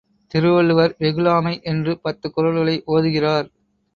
திருவள்ளுவர் வெகுளாமை என்று பத்துக் குறள்களை ஓதுகிறார்.